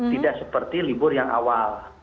tidak seperti libur yang awal